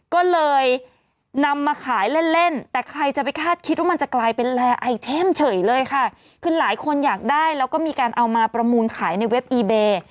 ก็เลยนำมาขายเล่นเล่นแต่ใครจะไปคาดคิดว่ามันจะกลายเป็นแลร์ไอเทมเฉยเลยค่ะคือหลายคนอยากได้แล้วก็มีการเอามาประมูลขายในเว็บอีเบย์